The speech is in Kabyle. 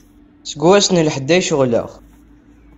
Seg wass n lḥedd ay ceɣleɣ.